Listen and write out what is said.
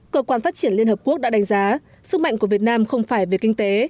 cơ quan phát triển liên hợp quốc đã đánh giá sức mạnh của việt nam không phải về kinh tế